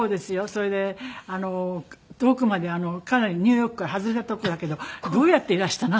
それで遠くまでかなりニューヨークから外れた所だけどどうやっていらしたの？